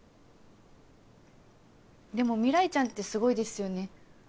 でも未来ちゃんってすごいですよね。